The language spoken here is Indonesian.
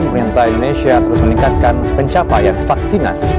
pemerintah indonesia terus meningkatkan pencapaian vaksinasi